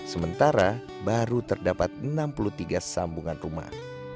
sementara baru terdapat enam puluh tiga sambungan rumah